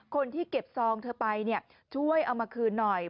คนที่เก็บซองเธอไปช่วยเอามาคืนหน่อย